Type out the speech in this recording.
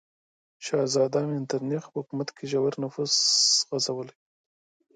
شهزاده میترنیخ په حکومت کې ژور نفوذ غځولی و.